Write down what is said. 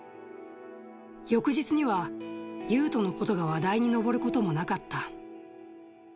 翌日にはユウトのことが話題に上ることもなかった。